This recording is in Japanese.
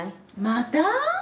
また？